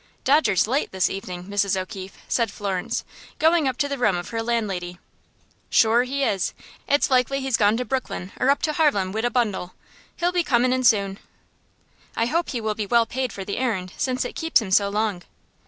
"Dodger's late this evening, Mrs. O'Keefe," said Florence, going up to the room of her landlady. "Shure he is. It's likely he's gone to Brooklyn or up to Harlem, wid a bundle. He'll be comin' in soon." "I hope he will be well paid for the errand, since it keeps him so long."